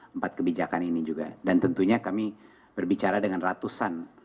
empat kebijakan ini juga dan tentunya kami berbicara dengan ratusan